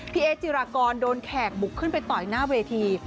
พี่เอ๊จิรากรโดนแขกบุกขึ้นไปต่อยหน้าเวที